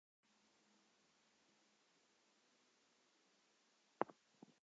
Ganwyd David Morris yng Nghaerfyrddin yn fab hynaf William Morris, bancwr.